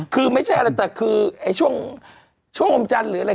คือไม่ใช่อะไรแต่คือช่วงอมจันทร์หรืออะไร